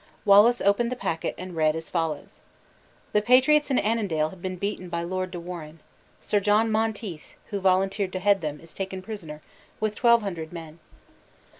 Wallace opened the packet and read as follows: "The patriots in Annandale have been beaten by Lord de Warenne. Sir John Monteith (who volunteered to head them) is taken prisoner, with twelve hundred men.